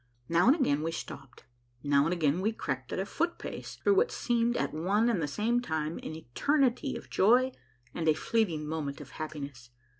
Now and again we stopped. Now and again we crept at a foot pace through what seemed at one and the same time an eternity of joy and a fleeting moment of happiness.